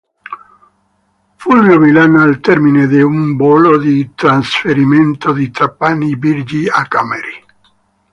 Fulvio Milana al termine di un volo di trasferimento da Trapani Birgi a Cameri.